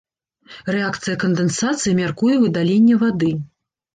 Рэакцыя кандэнсацыі мяркуе выдаленне вады.